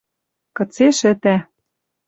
Кыце шӹтӓ